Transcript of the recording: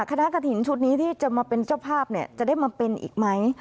คณะกระถิ่นชุดนี้ที่จะมาเป็นเจ้าภาพจะได้มาเป็นอีกไหม